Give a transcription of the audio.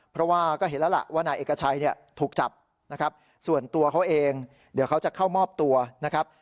เพราะว่าก็เห็นแล้วล่ะว่านายเอกชัยเนี่ยถูกจับนะครับส่วนตัวเขาเองเดี๋ยวเขาจะเข้ามอบตัวนะครับ